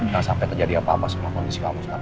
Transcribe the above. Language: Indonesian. jangan sampai terjadi apa apa semua kondisi kamu sekarang